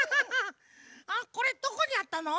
あっこれどこにあったの？